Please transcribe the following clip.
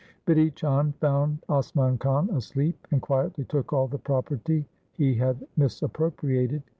Bidhi Chand found Asman Khan asleep, and quietly took all the property he had misappropriated.